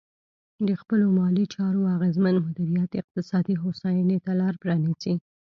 د خپلو مالي چارو اغېزمن مدیریت اقتصادي هوساینې ته لار پرانیزي.